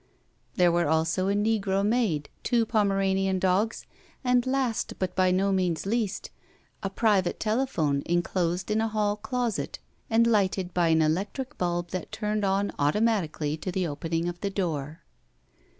There were also a negro maid, two Pomeranian dogs, and last, but by no means least, a private telephone inclosed in a hall closet and lighted by an electric bulb that turned on automatically to the opening of the door.